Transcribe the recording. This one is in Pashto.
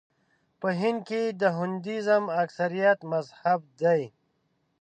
په هند کې د هندويزم اکثریت مذهب دی.